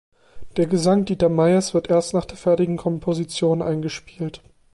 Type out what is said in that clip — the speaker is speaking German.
Der Gesang Dieter Meiers wird erst nach der fertigen Komposition eingespielt.